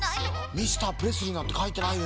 「ミスタープレスリー」なんてかいてないよ。